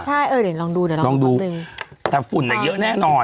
ใช่เออเดี๋ยวลองดูเดี๋ยวลองดูแต่ฝุ่นอ่ะเยอะแน่นอน